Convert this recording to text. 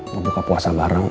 mau buka puasa bareng